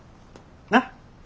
なっ。